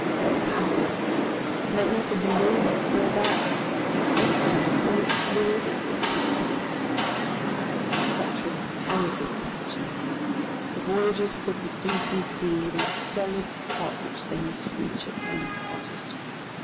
An hour! Might not the balloon before that be emptied of all the fluid it yet retained? Such was the terrible question! The voyagers could distinctly see that solid spot which they must reach at any cost.